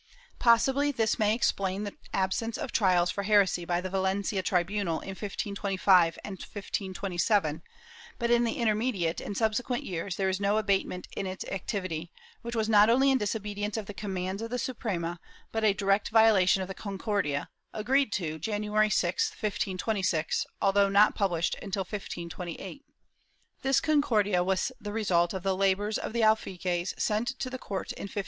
^ Possibly this may explain the absence of trials for heresy by the Valencia tribimal in 1525 and 1527, but, in the intermediate and subsequent years, there is no abatement in its activity, which was not only in disobedience of the commands of the Suprema, but a direct violation of the Concordia, agreed to January 6, 1526, although not published until 1528. This Concordia was the result of the labors of the alfaquies sent to the court in 1525.